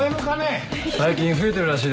最近増えてるらしいですからね。